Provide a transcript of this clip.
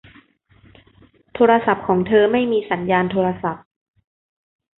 โทรศัพท์ของเธอไม่มีสัญญาณโทรศัพท์